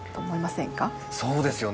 そうですよね。